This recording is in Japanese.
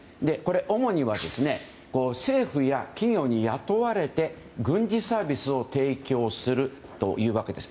主には、政府や企業に雇われて軍事サービスを提供するというわけです。